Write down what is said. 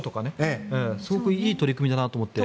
すごくいい取り組みだなと思って。